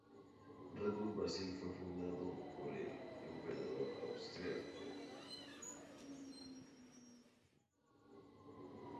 Red Bull Brasil fue fundado el por la empresa austríaca Red Bull.